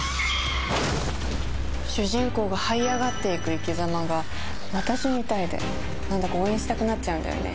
主人公がはい上がっていく生きざまが私みたいで何だか応援したくなっちゃうんだよね。